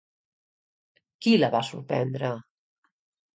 Qui la va sorprendre?